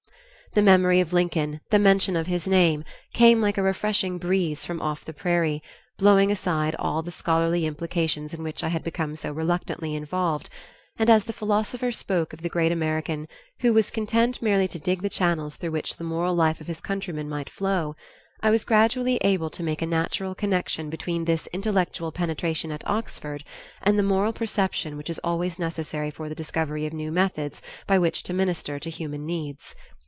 The memory of Lincoln, the mention of his name, came like a refreshing breeze from off the prairie, blowing aside all the scholarly implications in which I had become so reluctantly involved, and as the philosopher spoke of the great American "who was content merely to dig the channels through which the moral life of his countrymen might flow," I was gradually able to make a natural connection between this intellectual penetration at Oxford and the moral perception which is always necessary for the discovery of new methods by which to minister to human needs.